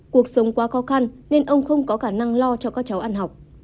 cuộc sống quá khó khăn nên ông không có khả năng lo cho các cháu ăn học